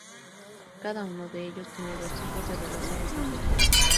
Cada uno de ellos tiene dos hijos de relaciones anteriores.